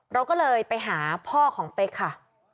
เราก็เลยไปหาพ่อของเป๊กค่ะ